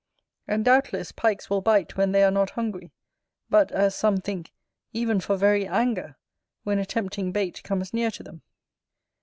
And, doubtless, Pikes will bite when they are not hungry; but, as some think, even for very anger, when a tempting bait comes near to them.